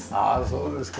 そうですか。